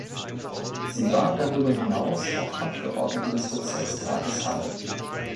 Sie war darüber hinaus auch Abgeordnete des Bezirkstages Halle.